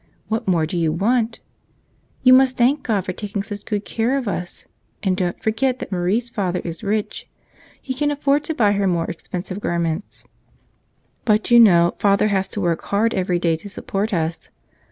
What more do you want? You must thank God for taking such good care of us. And don't forget that Marie's father is rich. He can afford to buy her more expensive garments. But you know father has to work hard every day to support us.